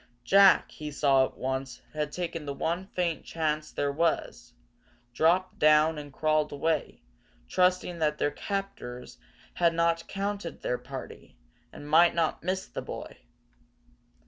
Jack, he saw at once had taken the one faint chance there was, dropped down, and crawled away, trusting that their captures had not counted their party, and might not miss the boy.